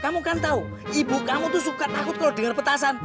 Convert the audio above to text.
kamu kan tau ibu kamu tuh suka takut kalo denger petasan